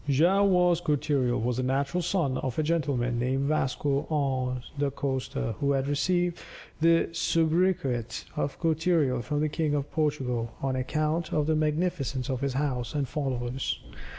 Joao Vaz Cortereal was the natural son of a gentleman named Vasco Annes da Costa, who had received the soubriquet of Cortereal from the King of Portugal, on account of the magnificence of his house and followers.